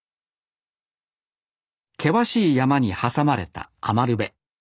険しい山に挟まれた余部。